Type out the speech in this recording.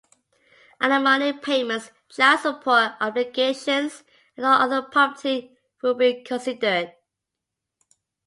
Alimony payments, child support obligations and all other property will be considered.